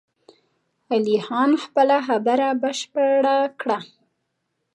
علي خان خپله خبره بشپړه کړه!